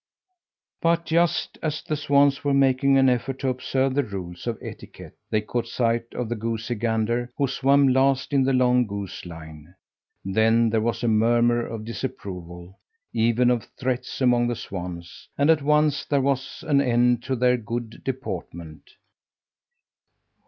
But just as the swans were making an effort to observe the rules of etiquette, they caught sight of the goosey gander, who swam last in the long goose line. Then there was a murmur of disapproval, even of threats, among the swans, and at once there was an end to their good deportment!